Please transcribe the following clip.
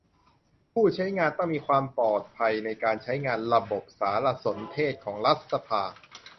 ผู้ใช้งานต้องมีความปลอดภัยในการใช้งานระบบสารสนเทศของรัฐสภา